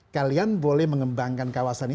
kalian boleh mengembangkan kawasan ini